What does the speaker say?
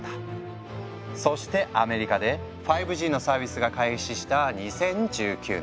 そしてアメリカで５Ｇのサービスが開始した２０１９年。